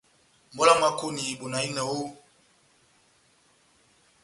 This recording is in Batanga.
Ambolo ya mwákoni bona ina!